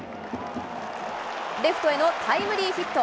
レフトへのタイムリーヒット。